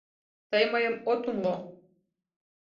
— Тый мыйым от умыло.